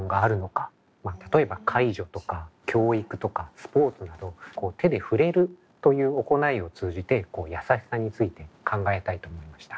例えば介助とか教育とかスポーツなどこう手でふれるという行いを通じてやさしさについて考えたいと思いました。